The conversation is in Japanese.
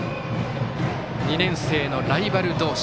２年生のライバル同士。